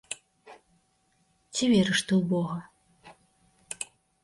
Ці верыш ты ў бога?